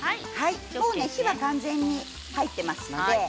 もう火は完全に入っていますので。